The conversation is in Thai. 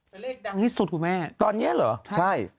เป็นเลขดังที่สุดคุณแม่ตอนเนี้ยเหรอใช่